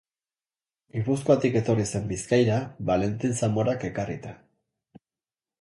Gipuzkoatik etorri zen Bizkaira, Valentin Zamorak ekarrita.